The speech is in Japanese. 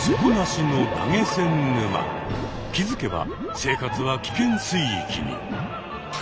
気付けば生活は危険水域に！